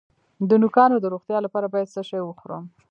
د نوکانو د روغتیا لپاره باید څه شی وخورم؟